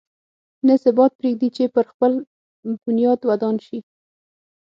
نه ثبات پرېږدي چې پر خپل بنیاد ودان شي.